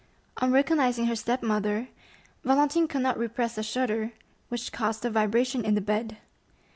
On recognizing her step mother, Valentine could not repress a shudder, which caused a vibration in the bed.